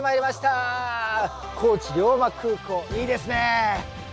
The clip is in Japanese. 高知龍馬空港いいですね！